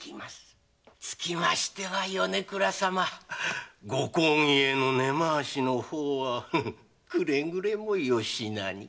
つきましては米倉様ご公儀への根回しはくれぐれもよしなに。